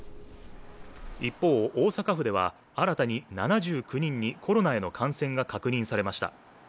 一方、大阪府では新たに７９人にコロナへの感染が確認されました。